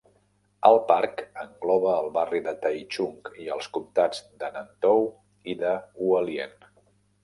El parc engloba el barri de Taichung i els comtats de Nantou i de Hualien.